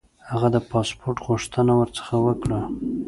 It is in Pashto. هغه د پاسپوټ غوښتنه ورڅخه وکړه.